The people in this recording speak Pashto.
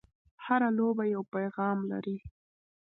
هره لوبه یو پیغام لري.